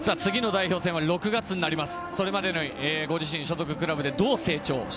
次の代表戦は６月になります。